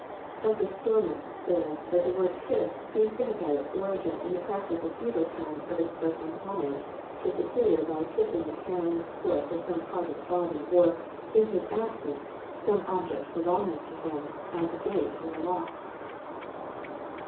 Dr. Stormouth says that the word kiss seems to have had its origin in the practice of feudal times of expressing homage to a superior by kissing the hand, foot or some part of the body or, in his absence, some object belonging to him, as a gate or a lock.